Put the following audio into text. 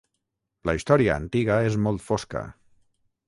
La història antiga és molt fosca.